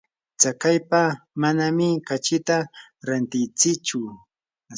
tsakaypa manami kachita rantintsichu.